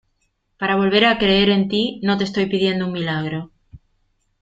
para volver a creer en ti. no te estoy pidiendo un milagro